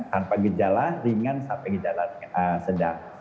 tanpa gejala ringan sampai gejala sedang